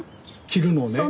着るのね。